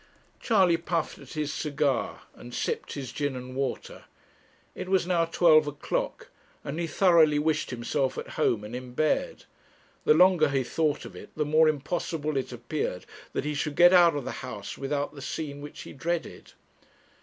Charley puffed at his cigar and sipped his gin and water. It was now twelve o'clock, and he thoroughly wished himself at home and in bed. The longer he thought of it the more impossible it appeared that he should get out of the house without the scene which he dreaded.